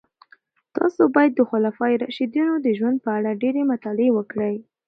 تاسو باید د خلفای راشدینو د ژوند په اړه ډېرې مطالعې وکړئ.